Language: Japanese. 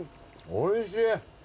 おいしい。